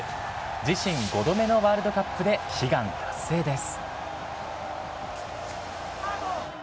自身５度目のワールドカップで、悲願達成です。